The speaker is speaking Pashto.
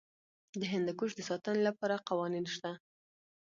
د هندوکش د ساتنې لپاره قوانین شته.